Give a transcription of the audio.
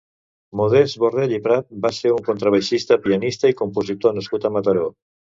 Modest Borrell i Prat va ser un contrabaixista, pianista i compositor nascut a Mataró.